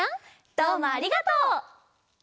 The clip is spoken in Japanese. どうもありがとう！